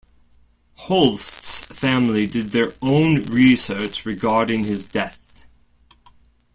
Holst's family did their own research regarding his death.